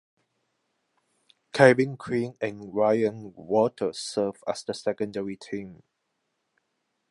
Kevin Quinn and Ryan Walter served as the secondary team.